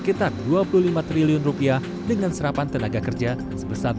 maka hilangnya nilai ekspor biji bauksit juga mengakibatkan penurunan penerimaan negara